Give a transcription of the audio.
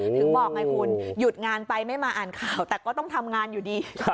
ถึงบอกไงคุณหยุดงานไปไม่มาอ่านข่าวแต่ก็ต้องทำงานอยู่ดี